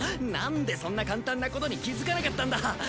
なんでそんな簡単なことに気づかなかったんだ。